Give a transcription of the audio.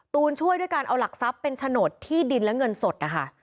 ตูนช่วยด้วยการเอาหลักทรัพย์เป็นโฉนดที่ดินและเงินสดนะคะ